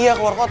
iya keluar kota